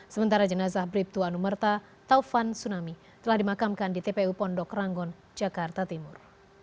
sementara jenazah bribtu anumerta taufan sunami telah dimakamkan di tpu pondok ranggon jakarta timur